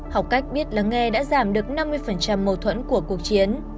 học cách biết lắng nghe đã giảm được năm mươi mâu thuẫn của cuộc chiến